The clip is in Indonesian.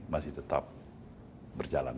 masih tetap berjalan